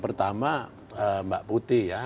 pertama mbak putih ya